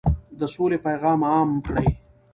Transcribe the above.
د سولې پیغام عام کړئ.